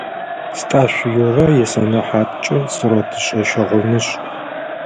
Стӏашъу Юрэ исэнэхьаткӏэ сурэтышӏэ-щыгъынышӏ.